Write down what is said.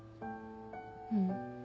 うん。